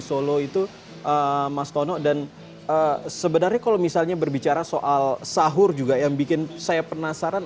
solo itu mas tono dan sebenarnya kalau misalnya berbicara soal sahur juga yang bikin saya penasaran